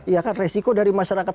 ya kan resiko dari masyarakat